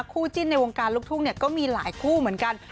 คู่จิ้นในวงการลูกทุ่งก็มีหลายคู่เหมือนกัน